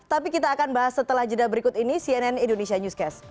tapi kita akan bahas setelah jeda berikut ini cnn indonesia newscast